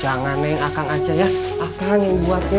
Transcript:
jangan neng akan aja ya akan yang buatnya